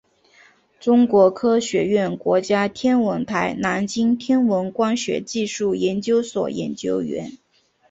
中国科学院国家天文台南京天文光学技术研究所研究员。